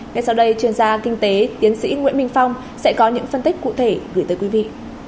ngay sau đây chuyên gia kinh tế tiến sĩ nguyễn minh phong sẽ có những phân tích cụ thể gửi tới quý vị